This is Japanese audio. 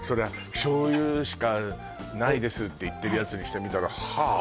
「醤油しかないです」って言ってるやつにしてみたら「はあ？」